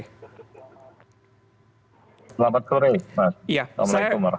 selamat sore mas